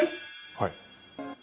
はい。